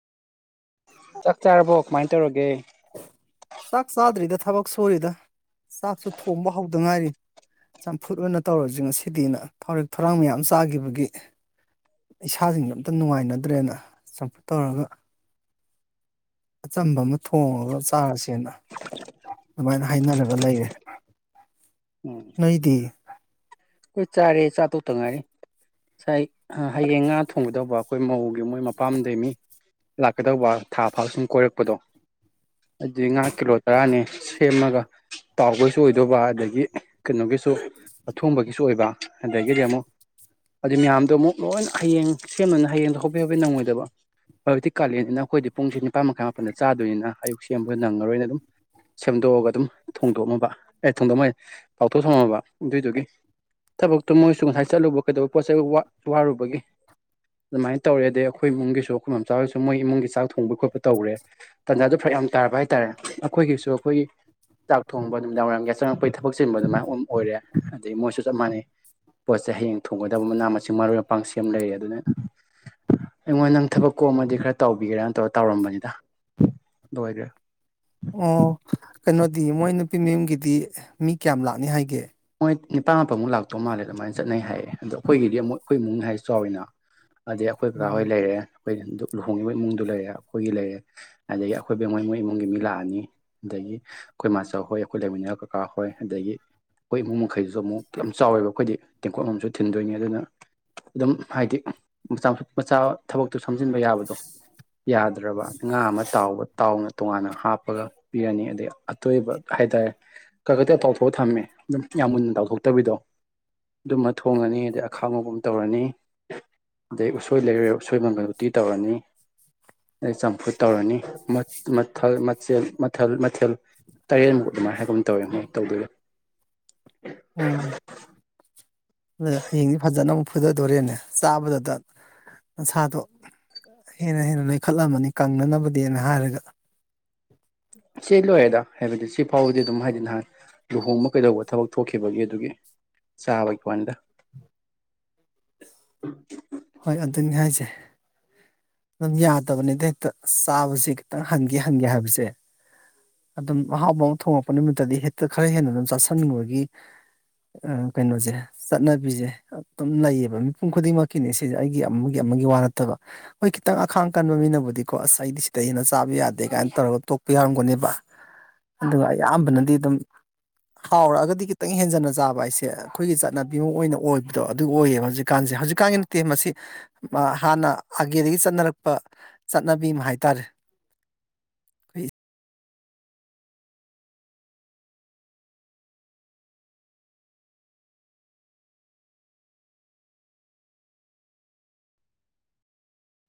ꯆꯥꯛ ꯆꯥꯔꯕꯣ ꯀꯃꯥꯏꯅ ꯇꯧꯔꯒꯦ ꯆꯥꯛ ꯆꯥꯗ꯭ꯔꯤꯗ ꯊꯕꯛ ꯁꯨꯔꯤꯗ ꯆꯥꯛꯁꯨ ꯊꯣꯡꯕ ꯍꯧꯗ ꯉꯥꯏꯔꯤ ꯆꯝꯐꯨꯠ ꯑꯣꯏꯅ ꯇꯧꯔꯁꯤ ꯉꯁꯤꯗꯤꯅ ꯊꯔꯛ ꯊꯔꯥꯡ ꯃꯌꯥꯝ ꯆꯥꯒꯤꯕꯒꯤ ꯏꯁꯥꯁꯤꯡ ꯑꯝꯇ ꯅꯨꯡꯉꯥꯏꯅꯗ꯭ꯔꯦꯅ ꯆꯝꯐꯨꯠ ꯇꯧꯔꯒ ꯑꯆꯝꯕ ꯑꯃ ꯊꯣꯡꯉꯒ ꯆꯥꯔꯁꯦꯅ ꯑꯗꯨꯃꯥꯏꯅ ꯍꯥꯏꯅꯔꯒ ꯂꯩꯔꯦ ꯅꯩꯗꯤ ꯎꯝ ꯆꯥꯔꯦ ꯆꯇꯣꯛꯇ ꯉꯥꯏꯔꯤ ꯉꯁꯥꯏ ꯍꯌꯦꯡ ꯉꯥ ꯊꯣꯡꯗꯧꯕ ꯑꯈꯣꯏ ꯃꯧꯒꯤ ꯃꯣꯏ ꯃꯄꯥꯝꯗꯒꯤ ꯃꯤ ꯂꯥꯛꯀꯗꯧꯕ ꯊꯥ ꯐꯥ ꯁꯨꯝ ꯀꯣꯏꯔꯛꯄꯗꯣ ꯑꯗꯨꯏ ꯉꯥ ꯀꯤꯂꯣ ꯇꯔꯥꯅꯦ ꯁꯦꯝꯃꯒ ꯄꯥꯎꯕꯁꯨ ꯑꯣꯏꯗꯧꯕ ꯑꯗꯒꯤ ꯀꯩꯅꯣꯒꯤꯁꯨ ꯑꯊꯣꯡꯕ ꯏꯁꯨ ꯑꯣꯏꯕ ꯑꯗꯒꯤꯗꯤ ꯑꯃꯣꯛ ꯑꯗꯨ ꯃꯌꯥꯝꯗꯣ ꯑꯃꯨꯛ ꯂꯣꯏꯅ ꯍꯌꯦꯡ ꯁꯦꯝꯗꯅ ꯍꯌꯦꯡꯗꯣ ꯍꯣꯕꯦ ꯍꯣꯕꯦ ꯅꯪꯉꯣꯏꯗꯕ ꯍꯧꯈꯤꯛꯇꯤ ꯀꯥꯂꯦꯟꯅꯤꯅ ꯑꯩꯈꯣꯏꯗꯤ ꯄꯨꯡꯁꯦ ꯅꯤꯄꯥꯟ ꯃꯈꯥꯏ ꯃꯥꯄꯟꯗ ꯆꯥꯗꯣꯏꯅꯤꯅ ꯑꯌꯨꯛ ꯁꯦꯝꯕꯗ ꯅꯪꯉꯔꯣꯏꯅ ꯑꯗꯨꯝ ꯁꯦꯝꯗꯣꯛꯑꯒ ꯑꯗꯨꯝ ꯊꯣꯡꯗꯣꯛꯃꯕ ꯑꯦ ꯊꯣꯡꯗꯣꯛꯃꯣꯏꯌꯦ ꯇꯥꯎꯊꯣꯛ ꯑꯒ ꯊꯝꯃꯕ ꯑꯗꯨꯏꯗꯨꯒꯤ ꯊꯕꯛꯇꯣ ꯃꯣꯏꯁꯨ ꯉꯁꯥꯏ ꯆꯠꯂꯨꯕ ꯀꯩꯗꯧꯕ ꯄꯣꯠ ꯆꯩꯩ ꯋꯥꯔꯨꯕꯒꯤ ꯑꯗꯨꯃꯥꯏꯅ ꯇꯧꯔꯦ ꯑꯗꯩ ꯑꯩꯈꯣꯏ ꯏꯃꯨꯡꯒꯤꯁꯨ ꯑꯩꯈꯣꯏ ꯃꯝꯆꯥꯁꯨ ꯃꯣꯏ ꯏꯃꯨꯡꯒꯤ ꯆꯥꯛ ꯊꯣꯡꯕ ꯈꯣꯠꯄ ꯇꯧꯔꯦ ꯇꯥꯟꯖꯥꯗꯣ ꯐꯔꯛ ꯌꯥꯝ ꯇꯥꯔꯕ ꯍꯥꯏꯇꯔꯦ ꯑꯩꯈꯣꯏꯒꯤꯁꯨ ꯑꯩꯈꯣꯏꯒꯤ ꯆꯥꯛ ꯊꯣꯡꯕ ꯅꯨꯃꯤꯗꯥꯡ ꯋꯥꯏꯔꯝꯒꯤ ꯆꯪꯉꯛꯄꯩ ꯊꯕꯛ ꯆꯤꯟꯕ ꯑꯗꯨꯃꯥꯏ ꯑꯃ ꯑꯣꯏꯔꯦ ꯑꯗꯩ ꯃꯣꯏꯁꯨ ꯆꯞ ꯃꯥꯟꯅꯩ ꯄꯣꯠ ꯆꯩ ꯍꯌꯦꯡ ꯊꯣꯡꯒꯗꯕ ꯃꯅꯥ ꯃꯁꯤꯡ ꯃꯔꯣꯏ ꯃꯄꯥꯡ ꯁꯦꯝ ꯂꯩꯌꯦ ꯑꯗꯨꯅ ꯑꯩꯉꯣꯟꯗ ꯅꯪ ꯊꯕꯛ ꯀꯣꯝꯃꯗꯤ ꯈꯔ ꯇꯧꯕꯤꯒꯦꯔꯥꯅ ꯇꯧꯔꯝꯕꯅꯤꯗ ꯂꯣꯏꯒ꯭ꯔꯦ ꯑꯣ ꯀꯩꯅꯣꯗꯤ ꯃꯣꯏ ꯅꯨꯄꯤ ꯃꯌꯨꯝꯒꯤꯗꯤ ꯃꯤ ꯀꯌꯥꯝ ꯂꯥꯛꯅꯤ ꯍꯥꯏꯒꯦ ꯃꯣꯏ ꯅꯤꯄꯥꯥꯟ ꯃꯥꯄꯟꯃꯨꯛ ꯂꯥꯛꯇꯧ ꯃꯜꯂꯦ ꯑꯗꯨꯃꯥꯏꯅ ꯆꯠꯅꯩ ꯍꯥꯏꯌꯦ ꯑꯗꯣ ꯑꯩꯈꯣꯏꯒꯤꯗꯤ ꯑꯃꯨꯛ ꯑꯩꯈꯣꯏ ꯏꯃꯨꯡ ꯍꯥꯏꯔꯦ ꯆꯥꯎꯔꯦꯅ ꯑꯗꯩ ꯑꯩꯈꯣꯏ ꯀꯀꯥ ꯍꯣꯏ ꯎꯝ ꯂꯩꯔꯦ ꯑꯩꯈꯣꯏ ꯂꯨꯍꯣꯡꯉꯤꯕ ꯏꯃꯨꯡꯗꯨ ꯂꯩꯔꯦ ꯑꯩꯈꯣꯏꯒꯤ ꯂꯩꯔꯦ ꯑꯗꯒꯤ ꯑꯩꯈꯣꯏꯕꯦꯃ ꯍꯣꯏ ꯃꯣꯏ ꯏꯃꯨꯡꯒꯤ ꯃꯤ ꯂꯥꯛꯑꯅꯤ ꯑꯗꯒꯤ ꯑꯈꯣꯏ ꯃꯆꯧ ꯍꯣꯏ ꯑꯈꯣꯏ ꯂꯩꯃꯤꯟꯅꯩ ꯀꯀꯥ ꯍꯣꯏ ꯑꯗꯒꯤ ꯑꯩꯈꯣꯏ ꯏꯃꯨꯡ ꯃꯈꯩꯁꯨ ꯑꯃꯨꯛ ꯌꯥꯝ ꯆꯥꯎꯔꯦ ꯑꯩꯈꯣꯏꯗꯤ ꯇꯦꯡꯀꯣꯠ ꯑꯃꯝ ꯑꯃꯝ ꯁꯨ ꯊꯤꯟꯗꯣꯏꯅꯦ ꯑꯗꯨꯅ ꯑꯗꯨꯝ ꯍꯥꯏꯗꯤ ꯃꯆꯥ ꯃꯆꯥ ꯊꯕꯛꯇꯨ ꯁꯝꯖꯤꯟꯕ ꯌꯥꯕꯗꯣ ꯌꯥꯗ꯭ꯔꯕ ꯉꯥ ꯑꯃ ꯇꯥꯎꯕ ꯇꯥꯎꯅ ꯇꯣꯉꯥꯟꯅ ꯍꯥꯞꯄꯒ ꯄꯤꯔꯅꯤ ꯑꯗꯩ ꯑꯇꯣꯏꯕ ꯍꯥꯏꯇꯥꯔꯦ ꯈ ꯈꯒ ꯇꯥꯎꯊꯣ ꯊꯝꯃꯦ ꯑꯗꯨꯝ ꯌꯥꯝ ꯃꯨꯟꯅ ꯇꯥꯎꯊꯣꯛꯇꯕꯤꯗꯣ ꯑꯗꯨꯝꯃ ꯊꯣꯡꯉꯅꯤ ꯑꯗꯩ ꯑꯈꯥꯉꯧꯕꯑꯃ ꯇꯧꯔꯅꯤ ꯑꯗꯩ ꯎꯁꯣꯏ ꯂꯩꯔꯨꯔ ꯎꯁꯣꯏ ꯃꯪꯒꯜ ꯎꯇꯤ ꯇꯧꯔꯅꯤ ꯑꯩ ꯆꯝꯐꯨꯠ ꯇꯧꯔꯅꯤ ꯃꯠ ꯃꯠꯊꯜ ꯃꯠꯊꯦꯜ ꯃꯠꯊꯜ ꯃꯠꯊꯦꯜ ꯇꯥꯏꯔꯦꯟꯃꯨꯛ ꯑꯗꯨꯃꯥꯏ ꯍꯥꯏꯒꯨꯝ ꯇꯧꯔꯅꯤ ꯇꯧꯗꯣꯏꯕ ꯎꯝ ꯑꯗꯨ ꯍꯌꯦꯡꯗꯤ ꯐꯥꯖꯅ ꯑꯃꯨꯛ ꯐꯨꯗꯗꯧꯔꯦꯅꯦ ꯆꯥꯕꯗ ꯅꯁꯥꯗꯣ ꯍꯦꯟꯅ ꯍꯦꯟꯅ ꯅꯣꯏꯈꯠꯂꯝꯃꯅꯤ ꯀꯪꯅꯅꯕꯗꯦꯅ ꯍꯥꯏꯔꯒ ꯁꯤ ꯂꯣꯏꯔꯦꯗ ꯍꯥꯏꯕꯗꯤ ꯁꯤ ꯐꯥꯎꯕꯗꯤ ꯑꯗꯨꯝ ꯍꯥꯏꯗꯤ ꯅꯍꯥꯟ ꯂꯨꯍꯣꯡꯕ ꯀꯩꯗꯧꯕ ꯊꯕꯛ ꯊꯣꯛꯈꯤꯕꯒꯤ ꯑꯗꯨꯒꯤ ꯆꯥꯕꯒꯤꯋꯥꯅꯤꯗ ꯍꯣꯏ ꯑꯗꯨꯅꯤ ꯍꯥꯏꯁꯦ ꯑꯗꯨꯝ ꯌꯥꯗꯕꯅꯤꯗ ꯍꯦꯛꯇ ꯆꯥꯕꯁꯦ ꯈꯤꯇꯪ ꯍꯟꯒꯦ ꯍꯟꯒꯦ ꯍꯥꯏꯕꯁꯦ ꯑꯗꯨꯝ ꯑꯍꯥꯎꯕ ꯑꯃ ꯊꯣꯡꯉꯛꯄ ꯅꯨꯃꯤꯠꯇꯗꯤ ꯍꯦꯛꯇ ꯈꯔ ꯍꯦꯟꯅ ꯑꯗꯨꯝ ꯆꯥꯥꯁꯟꯅꯤꯡꯕꯒꯤ ꯀꯩꯅꯣꯁꯦ ꯆꯠꯅꯕꯤꯁꯦ ꯑꯗꯨꯝ ꯂꯩꯌꯦꯕ ꯃꯤꯄꯨꯝ ꯈꯨꯗꯤꯡꯃꯛꯀꯤ ꯀꯤꯅꯦ ꯁꯤꯁꯦ ꯑꯩꯒꯤ ꯑꯃꯒꯤ ꯑꯃꯒꯤ ꯋꯥ ꯅꯠꯇꯕ ꯍꯣꯏ ꯈꯤꯇꯪ ꯑꯈꯥꯡ ꯀꯟꯕ ꯃꯤꯅꯕꯨꯗꯤꯀꯣ ꯑꯁ ꯑꯩꯗꯤ ꯁꯤꯗ ꯍꯦꯟꯅ ꯆꯥꯕ ꯌꯥꯗꯦ ꯀꯥꯏꯅ ꯇꯧꯔꯒ ꯇꯣꯛꯄ ꯌꯥꯔꯝꯒꯅꯦꯕ ꯑꯗꯨꯒ ꯑꯌꯥꯝꯕꯅꯗꯤ ꯑꯗꯨꯝ ꯍꯥꯎꯔꯛꯑꯒꯗꯤ ꯈꯤꯇꯪ ꯍꯦꯟꯖꯟꯅ ꯆꯥꯕ ꯍꯥꯏꯁꯦ ꯑꯩꯈꯣꯏꯒꯤ ꯆꯠꯅꯕꯤ ꯑꯃ ꯑꯣꯏꯅ ꯑꯣꯏꯕꯗꯣ ꯑꯗꯨ ꯑꯣꯏꯌꯦ ꯍꯧꯖꯤꯛ ꯀꯥꯟꯁꯦ ꯍꯧꯖꯤꯛꯀꯥꯟꯒꯤ ꯅꯠꯇꯦ ꯃꯁꯤ ꯍꯥꯟꯅ ꯑꯥꯒꯦꯗꯒꯤ ꯆꯠꯅꯔꯛꯄ ꯆꯠꯅꯕꯤ ꯑꯃ ꯍꯥꯏꯇꯥꯔꯦ ꯑꯩꯈꯣꯏ